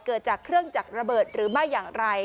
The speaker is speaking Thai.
เกิดจากเครื่องจักรระเบิดหรือไม่อย่างไร